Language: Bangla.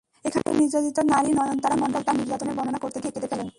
এখানে নির্যাতিত নারী নয়নতারা মণ্ডল তাঁর নির্যাতনের বর্ণনা করতে গিয়ে কেঁদে ফেলেন।